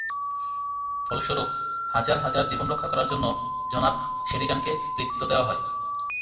ফলস্বরূপ, হাজার হাজার জীবন রক্ষা করার জন্য জনাব শেরিডানকে কৃতিত্ব দেওয়া হয়।